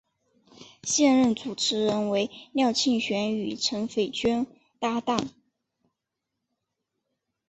现任主持人为廖庆学与陈斐娟搭档。